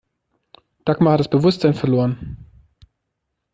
Dagmar hat das Bewusstsein verloren.